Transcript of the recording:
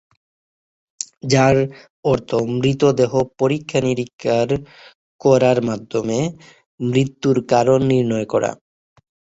যার অর্থ মৃতদেহ পরীক্ষা-নিরীক্ষার করার মাধ্যমে মৃত্যুর কারণ নির্ণয় করা।